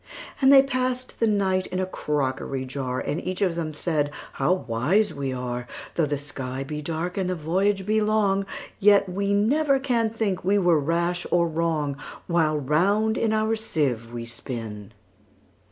And they pass'd the night in a crockery jar; And each of them said, "How wise we are! Though the sky be dark, and the voyage be long, Yet we never can think we were rash or wrong, While round in our sieve we spin."